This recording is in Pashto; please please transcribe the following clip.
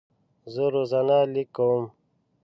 زه روزانه لیک کوم.